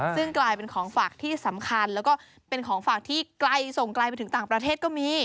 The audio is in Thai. ซึ่งกลายเป็นของฝากที่สำคัญแล้วก็เป็นของฝากที่ไกลส่งไกลไปถึงต่างประเทศก็มี